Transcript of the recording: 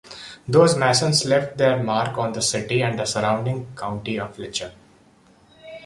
Those masons left their mark on the city and the surrounding county of Letcher.